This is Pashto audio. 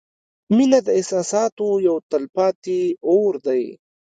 • مینه د احساساتو یو تلپاتې اور دی.